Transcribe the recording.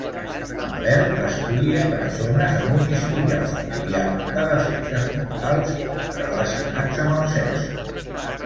En Bell estudia persones amb un historial familiar de "defectes mentals" relacionats amb el sexe.